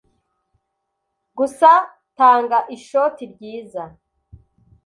Gusa tanga ishoti ryiza.